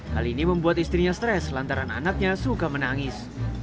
hal ini membuat istrinya stres lantaran anaknya suka menangis